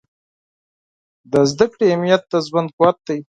د زده کړې اهمیت د ژوند قوت دی.